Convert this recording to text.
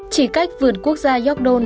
chỉ cách vượt quốc gia york dome